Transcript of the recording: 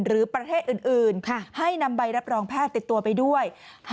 หรือประเทศอื่นให้นำใบรับรองแพทย์ติดตัวไปด้วย